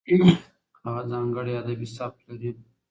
هغه ځانګړی ادبي سبک لري.